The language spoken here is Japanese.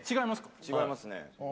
違いますね。